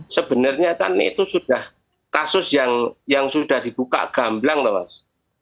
sebenarnya kan itu sudah kasus yang sudah dibuka gamblang loh mas